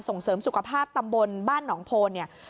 ส่งเสริมสุขภาพตำบลบ้านหนองโพนเนี่ย